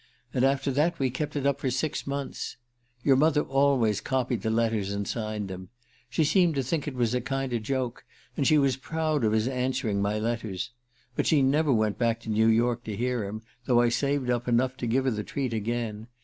And after that we kept it up for six months. Your mother always copied the letters and signed them. She seemed to think it was a kinder joke, and she was proud of his answering my letters. But she never went back to New York to hear him, though I saved up enough to give her the treat again.